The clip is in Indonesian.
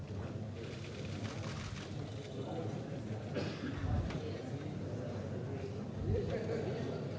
kami memintai pemilihan umum republik indonesia